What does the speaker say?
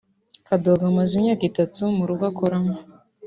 Kadogo amaze imyaka itatu mu rugo akoramo